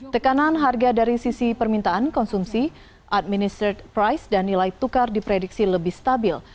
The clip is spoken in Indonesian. tekanan harga dari sisi permintaan konsumsi administrad price dan nilai tukar diprediksi lebih stabil